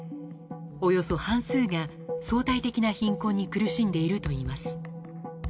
およそ半数が、相対的な貧困に苦しんでいるといいます。